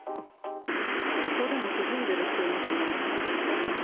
ここでも涼んでる人がいますね。